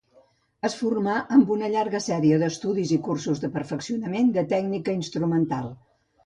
Es formà amb una llarga sèrie d'estudis i cursos de perfeccionament de tècnica instrumental.